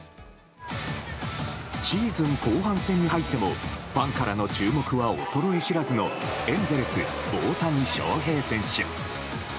シーズン後半戦に入ってもファンからの注目は衰え知らずのエンゼルス、大谷翔平選手。